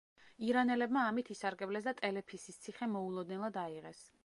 ირანელებმა ამით ისარგებლეს და ტელეფისის ციხე მოულოდნელად აიღეს.